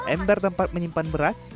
ember tempat menyimpan beras